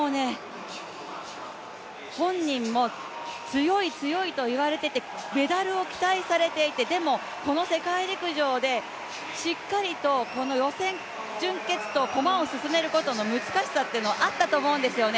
本人も強い強いと言われてて、メダルを期待されていてでも、この世界陸上でしっかりとこの予選、準決と駒を進めることの難しさっていうのはあったと思うんですよね。